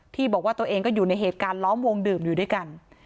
ที่บอกว่าตัวเองก็อยู่ในเหตุการณ์ล้อมวงดื่มอยู่ด้วยกัน